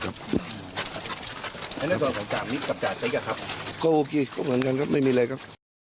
ก็โอเคไม่มีอะไรครับ